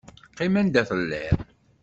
Qqim anda telliḍ.